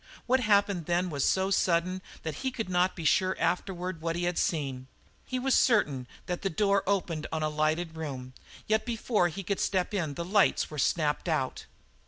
What happened then was so sudden that he could not be sure afterward what he had seen. He was certain that the door opened on a lighted room, yet before he could step in the lights were snapped out.